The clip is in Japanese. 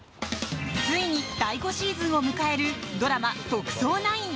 ついに第５シーズンを迎えるドラマ「特捜９」。